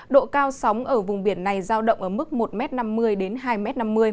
độ cao sóng ở vùng biển này giao động ở mức một năm mươi đến hai năm mươi m